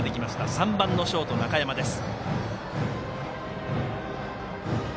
３番のショート、中山です。